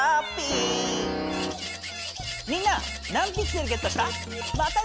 みんな何ピクセルゲットした？